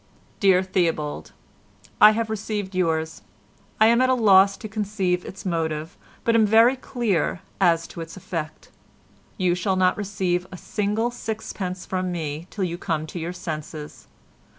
"Dear Theobald,—I have received yours. I am at a loss to conceive its motive, but am very clear as to its effect. You shall not receive a single sixpence from me till you come to your senses.